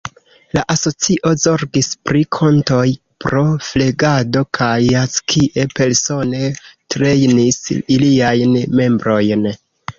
La asocio zorgis pri kontoj pro flegado kaj Jackie persone trejnis iliajn membrojn.